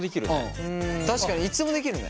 確かにいつでもできるね。